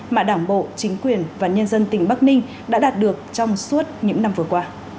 mà đảng bộ chính quyền và nhân dân tỉnh bắc ninh đã đạt được trong suốt những năm vừa qua